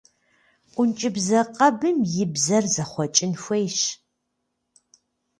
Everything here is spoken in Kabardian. Ӏункӏыбзэ къэбым и бзэр зэхъуэкӏын хуейщ.